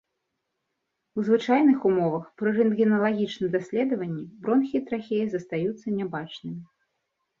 У звычайных умовах пры рэнтгеналагічным даследаванні бронхі і трахея застаюцца нябачнымі.